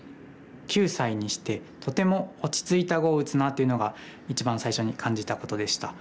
９歳にしてとても落ち着いた碁を打つなあというのが一番最初に感じたことでした。